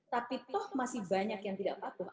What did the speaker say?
tapi toh masih banyak yang tidak patuh